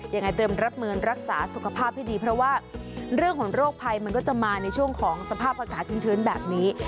ต้องเตรียมรับเมืองรักษาสุขภาพให้ดีของโรคภัยมันก็จะมาในช่วงของสภาพวักษณะชื้นแบบนี้